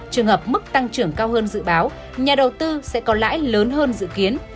trường hợp mức tăng trưởng cao hơn dự báo nhà đầu tư sẽ có lãi lớn hơn dự kiến